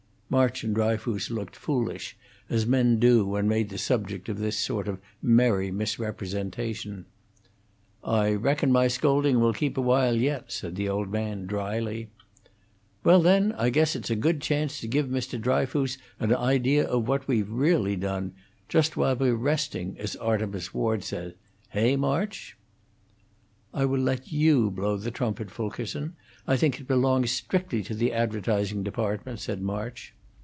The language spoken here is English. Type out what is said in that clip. March and Dryfoos looked foolish, as men do when made the subject of this sort of merry misrepresentation. "I reckon my scolding will keep awhile yet," said the old man, dryly. "Well, then, I guess it's a good chance to give Mr. Dryfoos an idea of what we've really done just while we're resting, as Artemus Ward says. Heigh, March?" "I will let you blow the trumpet, Fulkerson. I think it belongs strictly to the advertising department," said March.